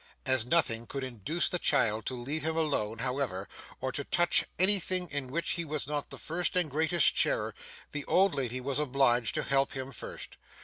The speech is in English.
As nothing could induce the child to leave him alone, however, or to touch anything in which he was not the first and greatest sharer, the old lady was obliged to help him first.